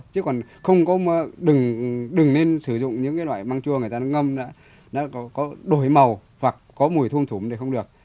chứ không có đừng nên sử dụng những loại măng chua người ta đã ngâm nó có đổi màu hoặc có mùi thum thum thì không được